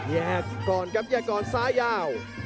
แยกก่อนครับแยกก่อนซ้ายยาว